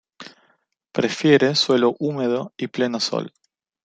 Prefiere suelo húmedo y pleno sol.